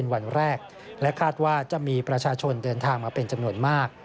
วันแรกและคาดว่าจะมีประชาชนเดินทางมาเป็นจำนวนมาก